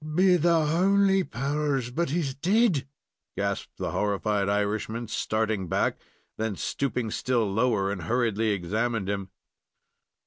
"Be the howly powers, but he's dead!" gasped the horrified Irishman, starting back, and then stooping still lower, and hurriedly examining him.